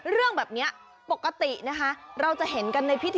เรื่องแบบนี้ปกตินะคะเราจะเห็นกันในพิธี